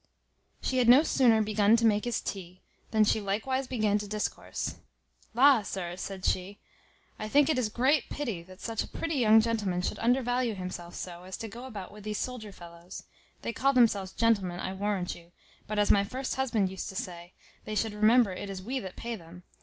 She had no sooner begun to make his tea, than she likewise began to discourse: "La! sir," said she, "I think it is great pity that such a pretty young gentleman should under value himself so, as to go about with these soldier fellows. They call themselves gentlemen, I warrant you; but, as my first husband used to say, they should remember it is we that pay them.